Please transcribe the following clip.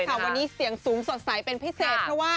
ใช่ค่ะวันนี้เสียงสูงสดใสเป็นประเภท